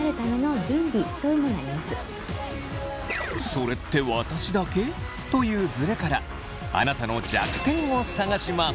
「それって私だけ？」というズレからあなたの弱点を探します。